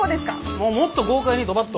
もうもっと豪快にドバッと。